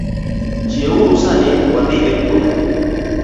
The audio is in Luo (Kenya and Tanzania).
Chiew uru sani wadhii e puodho